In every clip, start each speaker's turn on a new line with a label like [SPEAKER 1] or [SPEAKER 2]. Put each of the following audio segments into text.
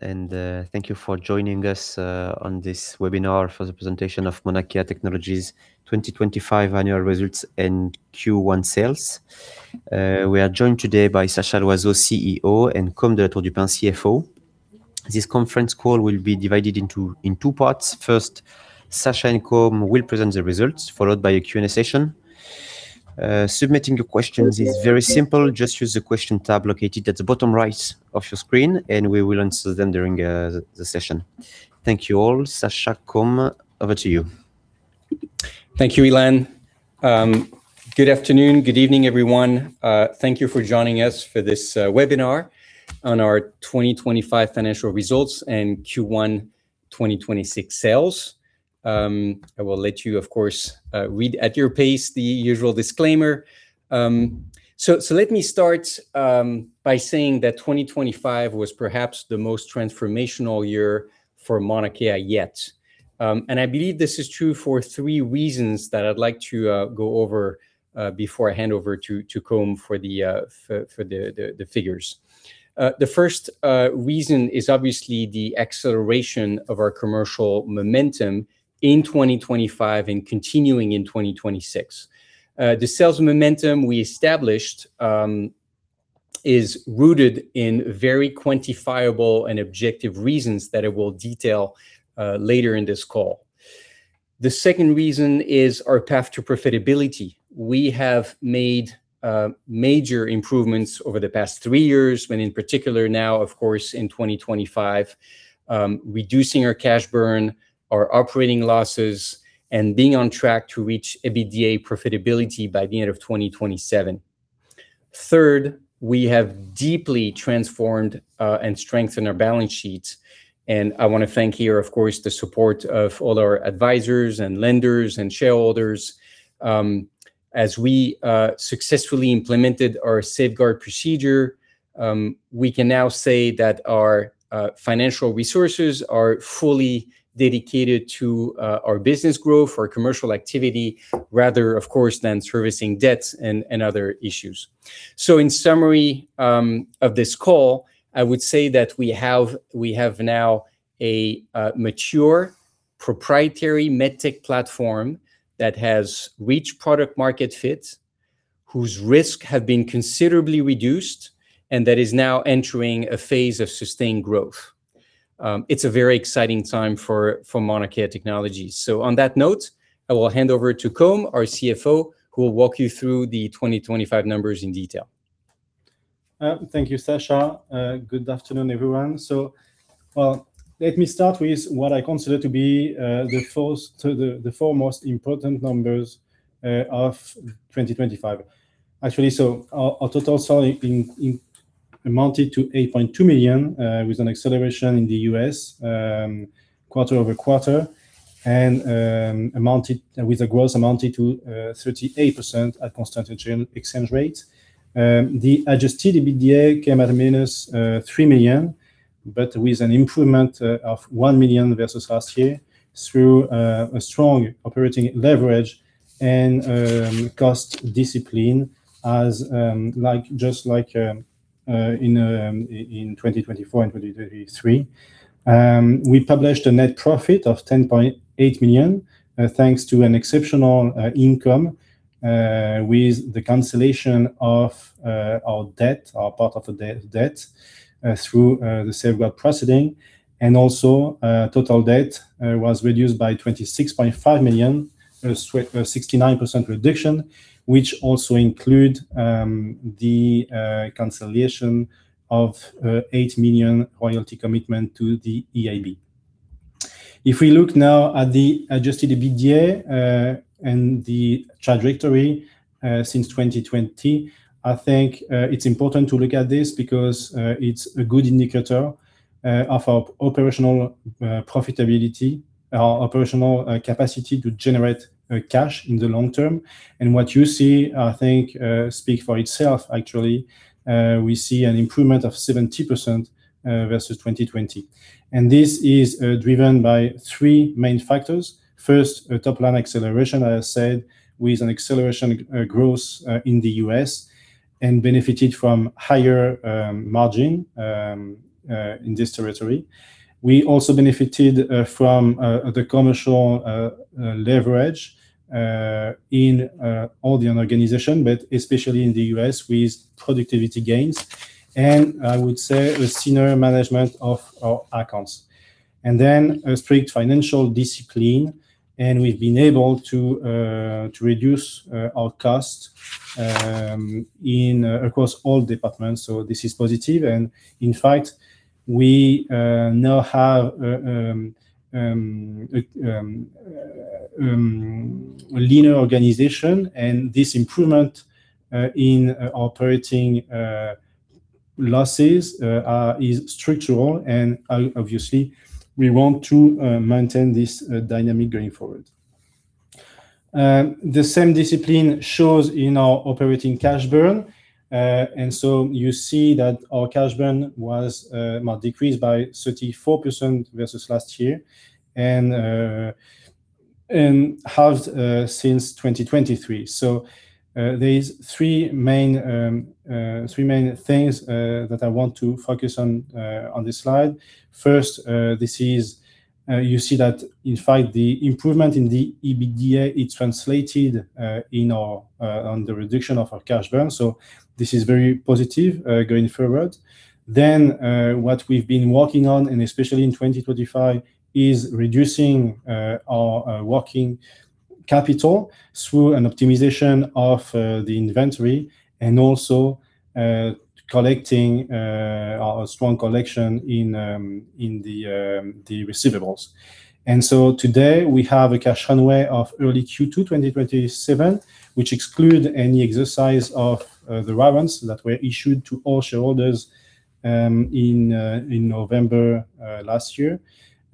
[SPEAKER 1] Thank you for joining us on this webinar for the presentation of Mauna Kea Technologies' 2025 annual results and Q1 sales. We are joined today by Sacha Loiseau, CEO, and Côme de La Tour du Pin, CFO. This conference call will be divided in two parts. First, Sacha and Côme will present the results, followed by a Q&A session. Submitting your questions is very simple. Just use the question tab located at the bottom right of your screen, and we will answer them during the session. Thank you all. Sacha, Côme, over to you.
[SPEAKER 2] Thank you, Elon. Good afternoon, good evening, everyone. Thank you for joining us for this webinar on our 2025 financial results and Q1 2026 sales. I will let you, of course, read at your pace the usual disclaimer. Let me start by saying that 2025 was perhaps the most transformational year for Mauna Kea yet. I believe this is true for three reasons that I'd like to go over before I hand over to Côme for the figures. The first reason is obviously the acceleration of our commercial momentum in 2025 and continuing in 2026. The sales momentum we established is rooted in very quantifiable and objective reasons that I will detail later in this call. The second reason is our path to profitability. We have made major improvements over the past three years, and in particular now, of course, in 2025, reducing our cash burn, our operating losses, and being on track to reach EBITDA profitability by the end of 2027. Third, we have deeply transformed and strengthened our balance sheets, and I want to thank here, of course, the support of all our advisors and lenders and shareholders. As we successfully implemented our safeguard procedure, we can now say that our financial resources are fully dedicated to our business growth, our commercial activity, rather, of course, than servicing debts and other issues. In summary of this call, I would say that we have now a mature proprietary MedTech platform that has reached product-market fit, whose risk have been considerably reduced, and that is now entering a phase of sustained growth. It's a very exciting time for Mauna Kea Technologies. On that note, I will hand over to Côme, our CFO, who will walk you through the 2025 numbers in detail.
[SPEAKER 3] Thank you, Sacha. Good afternoon, everyone. Let me start with what I consider to be the four most important numbers of 2025. Actually, our total selling amounted to 8.2 million, with an acceleration in the U.S. quarter-over-quarter, and with a growth amounted to 38% at constant exchange rate. The Adjusted EBITDA came at minus 3 million, but with an improvement of 1 million versus last year through a strong operating leverage and cost discipline just like in 2024 and 2023. We published a net profit of 10.8 million, thanks to an exceptional income with the cancellation of our debt, or part of the debt, through the safeguard proceeding. Total debt was reduced by 26.5 million, a 69% reduction, which also include the cancellation of 8 million royalty commitment to the EIB. If we look now at the Adjusted EBITDA, and the trajectory since 2020, I think it's important to look at this because it's a good indicator of our operational profitability, our operational capacity to generate cash in the long term. What you see, I think, speaks for itself, actually. We see an improvement of 70% versus 2020. This is driven by three main factors. First, a top-line acceleration, as I said, with an accelerating growth in the U.S. and benefited from higher margin in this territory. We also benefited from the commercial leverage in all the organization, but especially in the U.S. with productivity gains and I would say with senior management of our accounts. Then a strict financial discipline, and we've been able to reduce our costs across all departments. This is positive. In fact, we now have a linear organization, and this improvement in operating losses is structural, and obviously, we want to maintain this dynamic going forward. The same discipline shows in our operating cash burn. You see that our cash burn decreased by 34% versus last year and halved since 2023. There's three main things that I want to focus on this slide. First, you see that in fact the improvement in the EBITDA, it translated on the reduction of our cash burn. This is very positive going forward. What we've been working on, and especially in 2025, is reducing our working capital through an optimization of the inventory and also collecting our strong collection in the receivables. Today we have a cash runway of early Q2 2027 which exclude any exercise of the warrants that were issued to all shareholders in November last year.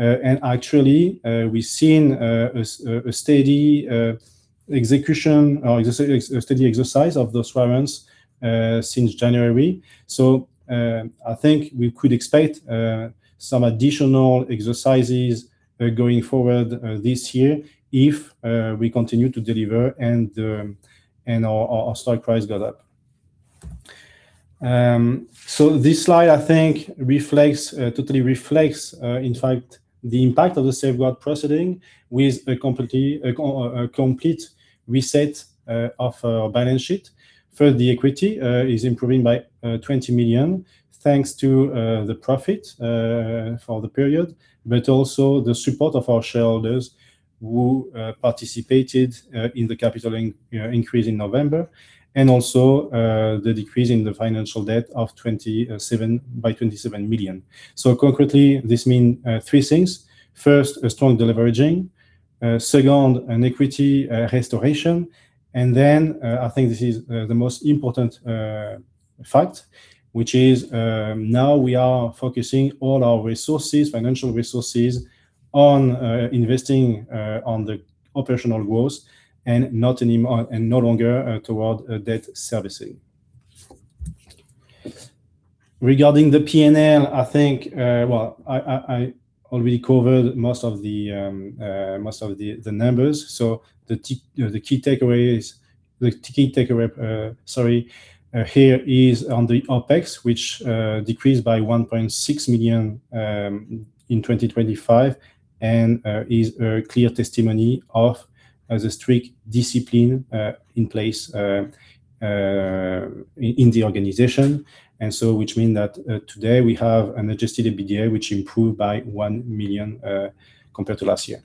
[SPEAKER 3] Actually, we've seen a steady execution or a steady exercise of those warrants since January. I think we could expect some additional exercises going forward this year if we continue to deliver and our stock price go up. This slide, I think totally reflects, in fact, the impact of the safeguard proceeding with a complete reset of our balance sheet. Further equity is improving by 20 million thanks to the profit for the period, but also the support of our shareholders who participated in the capital increase in November. Also the decrease in the financial debt by 27 million. Concretely, this mean three things. First, a strong deleveraging, second, an equity restoration, and then I think this is the most important fact which is now we are focusing all our resources, financial resources on investing on the operational growth and no longer toward debt servicing. Regarding the P&L, I think well, I already covered most of the numbers, so the key takeaway here is on the OpEx which decreased by 1.6 million in 2025 and is a clear testimony of the strict discipline in place in the organization. Which mean that today we have an Adjusted EBITDA which improved by 1 million compared to last year.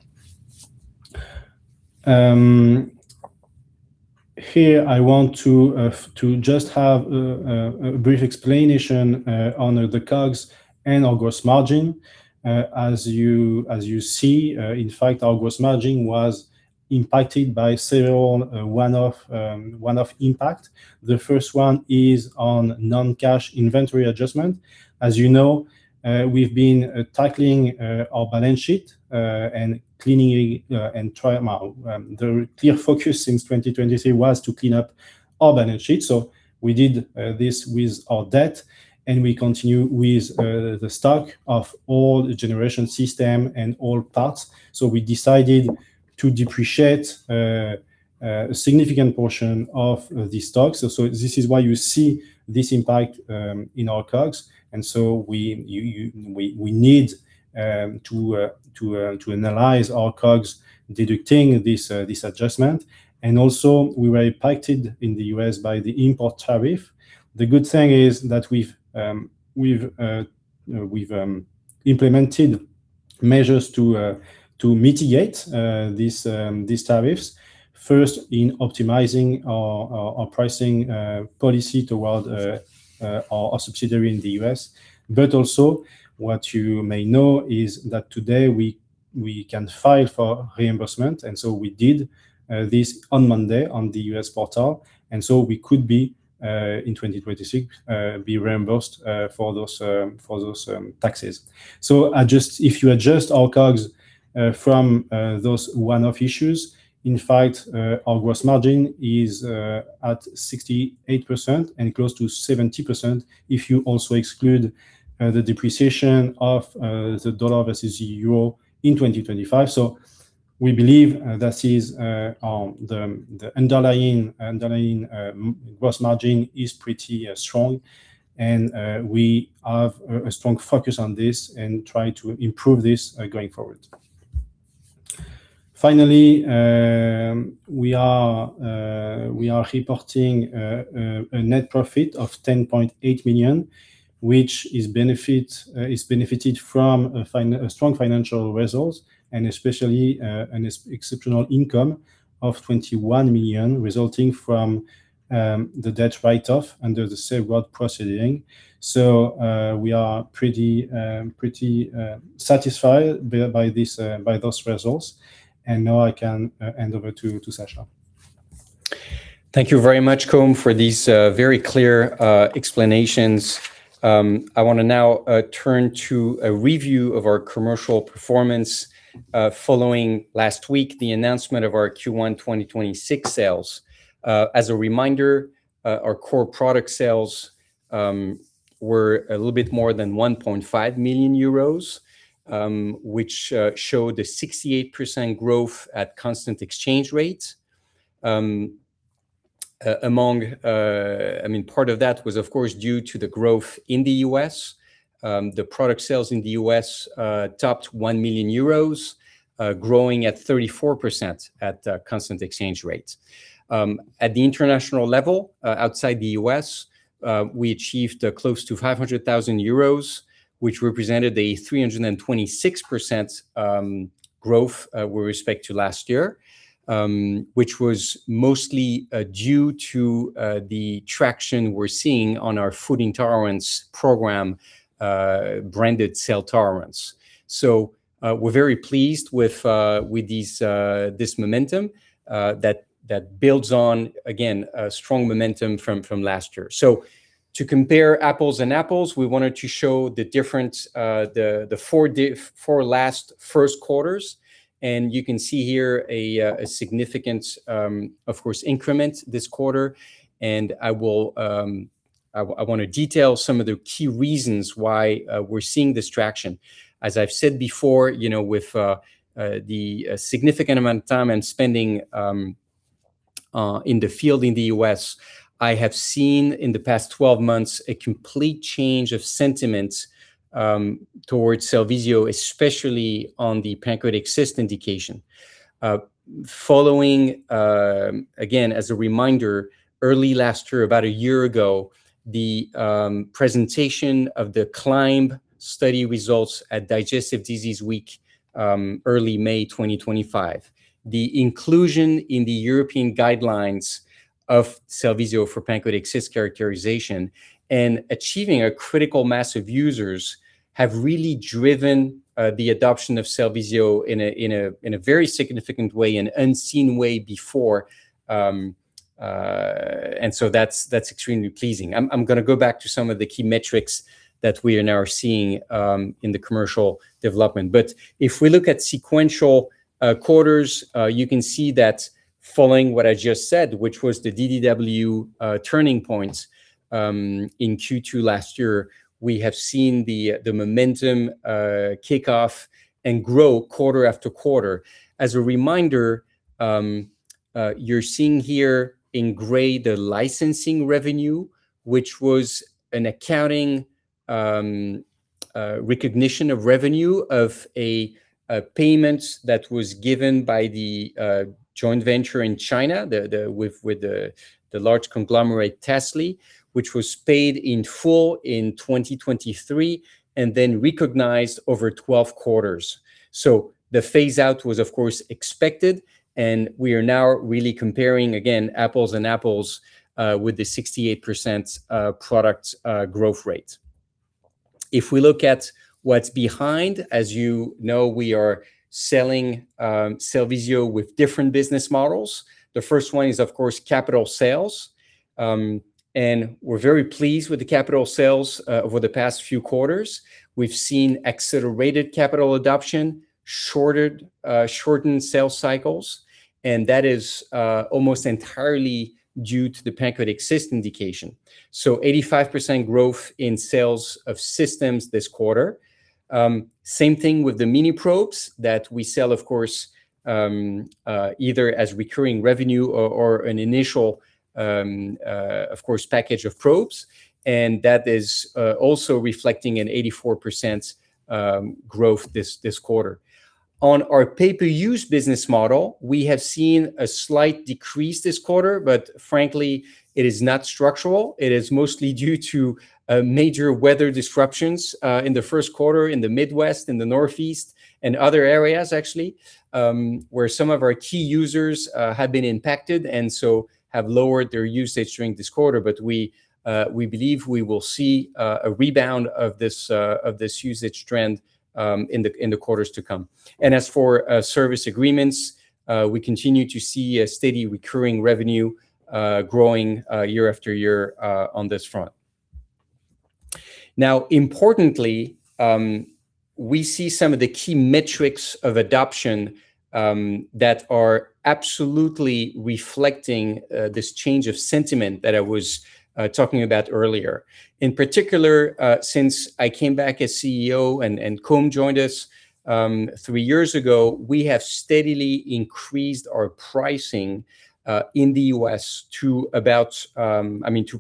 [SPEAKER 3] Here I want to just have a brief explanation on the COGS and our gross margin. As you see, in fact, our gross margin was impacted by several one-off impact. The first one is on non-cash inventory adjustment. As you know, we've been tackling our balance sheet and cleaning it, and the clear focus since 2023 was to clean up our balance sheet. We did this with our debt, and we continue with the stock of all generation system and all parts. We decided to depreciate a significant portion of the stocks. This is why you see this impact in our COGS. We need to analyze our COGS deducting this adjustment, and also we were impacted in the U.S. by the import tariff. The good thing is that we've implemented measures to mitigate these tariffs. First, in optimizing our pricing policy toward our subsidiary in the U.S., but also what you may know is that today we can file for reimbursement, and so we did this on Monday on the U.S. portal. We could in 2026 be reimbursed for those taxes. If you adjust our COGS from those one-off issues, in fact, our gross margin is at 68% and close to 70% if you also exclude the depreciation of the dollar versus euro in 2025. We believe that is the underlying gross margin is pretty strong, and we have a strong focus on this and try to improve this going forward. Finally, we are reporting a net profit of 10.8 million, which has benefited from a strong financial results and especially an exceptional income of 21 million resulting from the debt write-off under the safeguard proceeding. We are pretty satisfied by those results, and now I can hand over to Sacha.
[SPEAKER 2] Thank you very much, Côme, for these very clear explanations. I want to now turn to a review of our commercial performance following last week, the announcement of our Q1 2026 sales. As a reminder, our core product sales were a little bit more than 1.5 million euros, which showed a 68% growth at constant exchange rates. Part of that was, of course, due to the growth in the U.S. The product sales in the U.S. topped 1 million euros, growing at 34% at constant exchange rates. At the international level, outside the U.S., we achieved close to 500,000 euros, which represented a 326% growth with respect to last year, which was mostly due to the traction we're seeing on our food intolerance program, branded CellTolerance. We're very pleased with this momentum that builds on, again, a strong momentum from last year. To compare apples and apples, we wanted to show the difference, the last four first quarters. You can see here a significant, of course, increment this quarter. I want to detail some of the key reasons why we're seeing this traction. As I've said before, with the significant amount of time and spending in the field in the U.S., I have seen in the past 12 months a complete change of sentiment towards Cellvizio, especially on the pancreatic cyst indication. Following, again, as a reminder, early last year, about a year ago, the presentation of the CLIMB study results at Digestive Disease Week, early May 2025. The inclusion in the European guidelines of Cellvizio for pancreatic cyst characterization, and achieving a critical mass of users have really driven the adoption of Cellvizio in a very significant way, an unseen way before. That's extremely pleasing. I'm going to go back to some of the key metrics that we are now seeing in the commercial development. If we look at sequential quarters, you can see that following what I just said, which was the DDW turning points in Q2 last year, we have seen the momentum kick off and grow quarter-after-quarter. As a reminder, you're seeing here in gray the licensing revenue, which was an accounting recognition of revenue of a payment that was given by the joint venture in China, with the large conglomerate Tasly, which was paid in full in 2023, and then recognized over 12 quarters. The phase out was of course expected, and we are now really comparing, again, apples and apples with the 68% product growth rate. If we look at what's behind, as you know, we are selling Cellvizio with different business models. The first one is, of course, capital sales. We're very pleased with the capital sales over the past few quarters. We've seen accelerated capital adoption, shortened sales cycles, and that is almost entirely due to the pancreatic cyst indication. 85% growth in sales of systems this quarter. Same thing with the Miniprobes that we sell, of course, either as recurring revenue or an initial, of course, package of probes. That is also reflecting an 84% growth this quarter. On our pay-per-use business model, we have seen a slight decrease this quarter, but frankly, it is not structural. It is mostly due to major weather disruptions in the first quarter in the Midwest and the Northeast and other areas, actually, where some of our key users have been impacted and so have lowered their usage during this quarter. We believe we will see a rebound of this usage trend in the quarters to come. As for service agreements, we continue to see a steady recurring revenue growing year after year on this front. Now, importantly, we see some of the key metrics of adoption that are absolutely reflecting this change of sentiment that I was talking about earlier. In particular, since I came back as CEO and Côme joined us three years ago, we have steadily increased our pricing in the U.S. to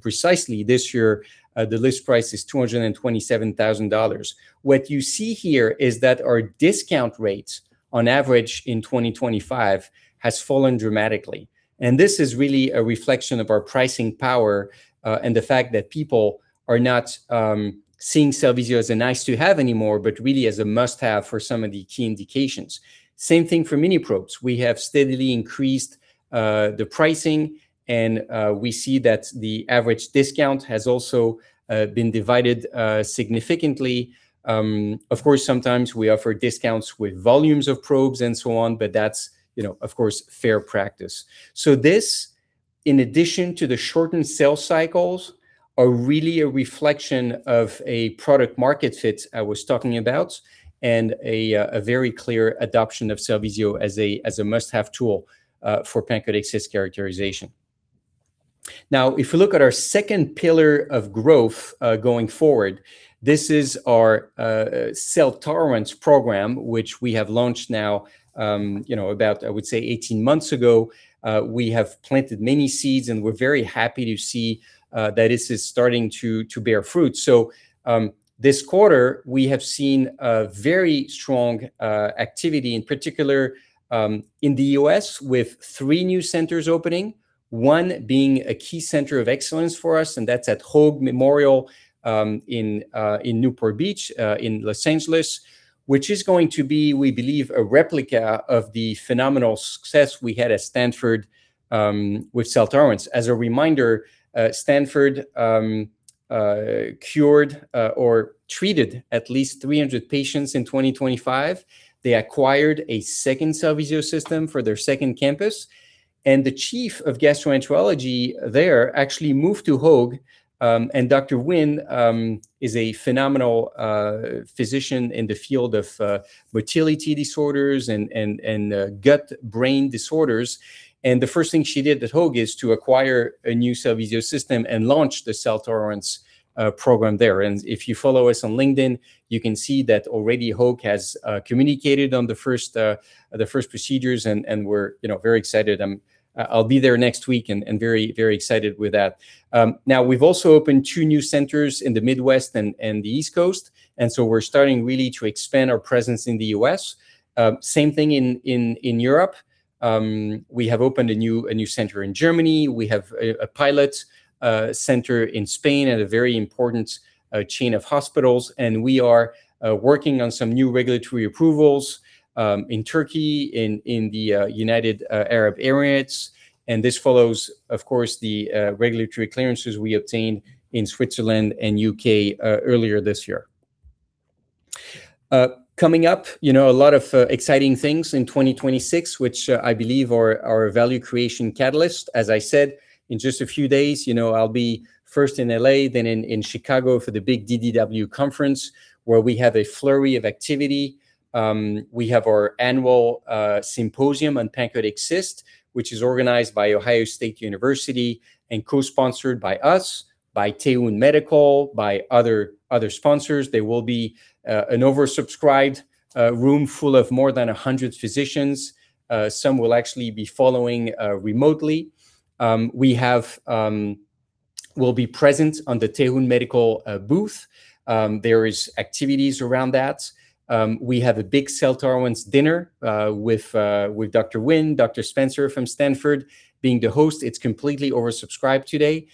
[SPEAKER 2] precisely this year, the list price is $227,000. What you see here is that our discount rates, on average in 2025, has fallen dramatically. This is really a reflection of our pricing power and the fact that people are not seeing Cellvizio as a nice-to-have anymore, but really as a must-have for some of the key indications. Same thing for Miniprobes. We have steadily increased the pricing, and we see that the average discount has also been divided significantly. Of course, sometimes we offer discounts with volumes of probes and so on, but that's, of course, fair practice. This, in addition to the shortened sales cycles, are really a reflection of a product market fit I was talking about, and a very clear adoption of Cellvizio as a must-have tool for pancreatic cyst characterization. If we look at our second pillar of growth going forward, this is our CellTolerance program which we have launched now about, I would say 18 months ago. We have planted many seeds, and we're very happy to see that this is starting to bear fruit. This quarter we have seen a very strong activity, in particular in the U.S. with three new centers opening, one being a key center of excellence for us, and that's at Hoag Memorial in Newport Beach in Los Angeles, which is going to be, we believe, a replica of the phenomenal success we had at Stanford with CellTolerance. As a reminder, Stanford cured or treated at least 300 patients in 2025. They acquired a second Cellvizio system for their second campus, and the chief of gastroenterology there actually moved to Hoag. Dr. Nguyen is a phenomenal physician in the field of motility disorders and gut-brain disorders. The first thing she did at Hoag is to acquire a new Cellvizio system and launch the CellTolerance program there. If you follow us on LinkedIn, you can see that already Hoag has communicated on the first procedures and we're very excited. I'll be there next week and very excited with that. Now we've also opened two new centers in the Midwest and the East Coast, and so we're starting really to expand our presence in the U.S. Same thing in Europe. We have opened a new center in Germany. We have a pilot center in Spain at a very important chain of hospitals, and we are working on some new regulatory approvals in Turkey, in the United Arab Emirates. This follows, of course, the regulatory clearances we obtained in Switzerland and U.K. earlier this year. Coming up, a lot of exciting things in 2026, which I believe are a value creation catalyst. As I said, in just a few days, I'll be first in L.A., then in Chicago for the big DDW conference, where we have a flurry of activity. We have our annual symposium on pancreatic cyst, which is organized by Ohio State University and co-sponsored by us, by TaeWoong Medical, by other sponsors. There will be an oversubscribed room full of more than 100 physicians. Some will actually be following remotely. We'll be present on the TaeWoong Medical booth. There is activities around that. We have a big CellTolerance dinner, with Dr. Nguyen, Dr. Spencer from Stanford being the host. It's completely oversubscribed today.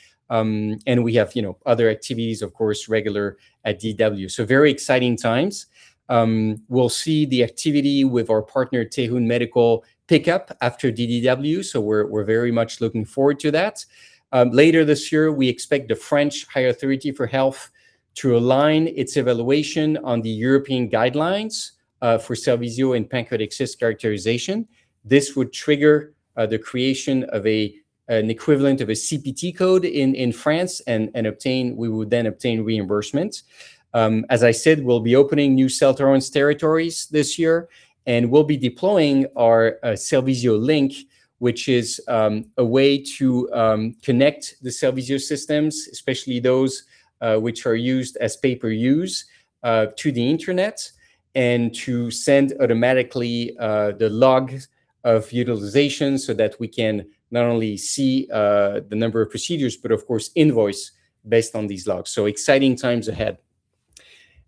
[SPEAKER 2] We have other activities, of course, regular at DDW. Very exciting times. We'll see the activity with our partner, TaeWoong Medical, pick up after DDW. We're very much looking forward to that. Later this year, we expect the French National Authority for Health to align its evaluation on the European guidelines for Cellvizio and pancreatic cyst characterization. This would trigger the creation of an equivalent of a CPT code in France. We would then obtain reimbursement. As I said, we'll be opening new CellTolerance territories this year, and we'll be deploying our Cellvizio Link, which is a way to connect the Cellvizio systems, especially those which are used as pay-per-use, to the internet, and to send automatically the logs of utilization so that we can not only see the number of procedures, but of course, invoice based on these logs. Exciting times ahead.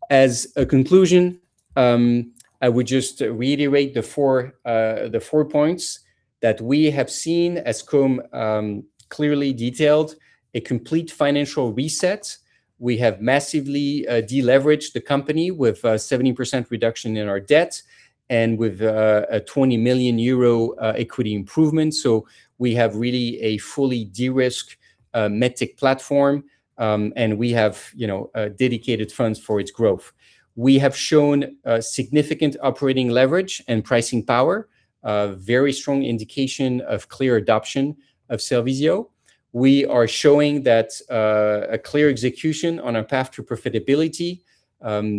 [SPEAKER 2] As a conclusion, I would just reiterate the four points that we have seen as Côme clearly detailed a complete financial reset. We have massively de-leveraged the company with a 70% reduction in our debt and with a 20 million euro equity improvement. We have really a fully de-risk MedTech platform, and we have dedicated funds for its growth. We have shown significant operating leverage and pricing power, a very strong indication of clear adoption of Cellvizio. We are showing that a clear execution on our path to profitability.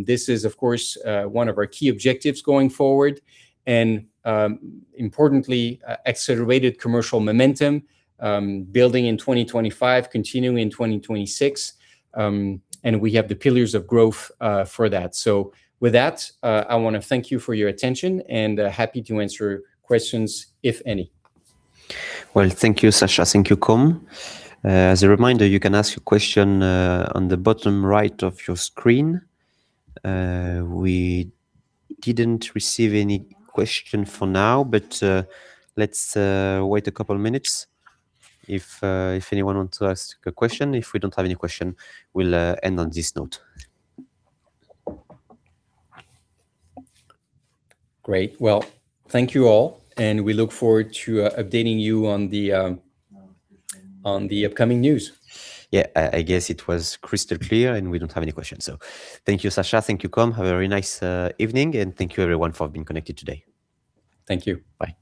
[SPEAKER 2] This is, of course, one of our key objectives going forward and importantly, accelerated commercial momentum, building in 2025, continuing in 2026. We have the pillars of growth for that. With that, I want to thank you for your attention and happy to answer questions, if any.
[SPEAKER 1] Well, thank you, Sacha. Thank you, Côme. As a reminder, you can ask your question on the bottom right of your screen. We didn't receive any question for now, but let's wait a couple minutes if anyone wants to ask a question. If we don't have any question, we'll end on this note.
[SPEAKER 2] Great. Well, thank you all, and we look forward to updating you on the upcoming news.
[SPEAKER 1] Yeah, I guess it was crystal clear, and we don't have any questions. Thank you, Sacha. Thank you, Côme. Have a very nice evening, and thank you everyone for being connected today.
[SPEAKER 2] Thank you.
[SPEAKER 1] Bye.